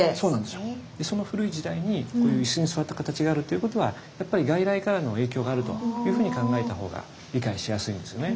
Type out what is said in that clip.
その古い時代にこういう椅子に座ったかたちがあるっていうことはやっぱり外来からの影響があるというふうに考えた方が理解しやすいですよね。